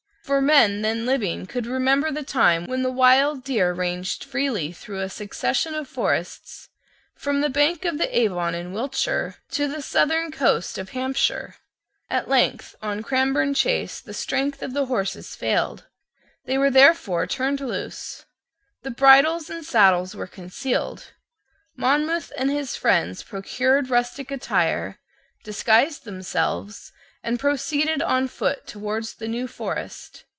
For men then living could remember the time when the wild deer ranged freely through a succession of forests from the banks of the Avon in Wiltshire to the southern coast of Hampshire. At length, on Cranbourne Chase, the strength of the horses failed. They were therefore turned loose. The bridles and saddles were concealed. Monmouth and his friends procured rustic attire, disguised themselves, and proceeded on foot towards the New Forest.